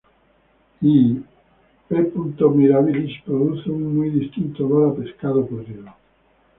Y "P. mirabilis" produce un muy distintivo olor a pescado podrido.